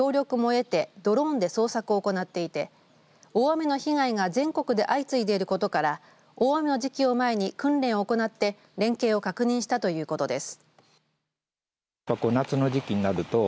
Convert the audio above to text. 警察は、これまでにも川の事故が起きた際に防災士の協力も得てドローンで捜索を行っていて大雨の被害が全国で相次いでいることから大雨の時期を前に訓練を行って連携を確認したということです。